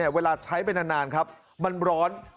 เวลาใช้ไปนานครับมันร้อน